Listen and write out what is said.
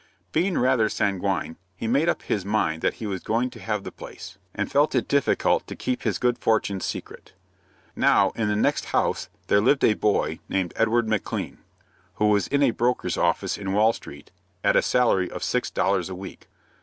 Being rather sanguine, he made up his mind that he was going to have the place, and felt it difficult to keep his good fortune secret. Now, in the next house there lived a boy named Edward McLean, who was in a broker's office in Wall Street, at a salary of six dollars a week.